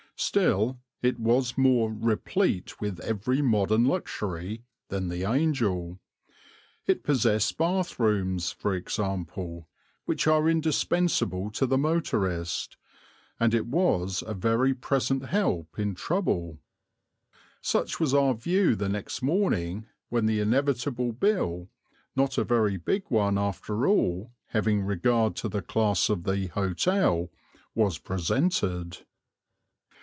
Still, it was more "replete with every modern luxury" than the "Angel"; it possessed bathrooms, for example, which are indispensable to the motorist, and it was a very present help in trouble. Such was our view the next morning, when the inevitable bill, not a very big one after all, having regard to the class of the hotel, was presented.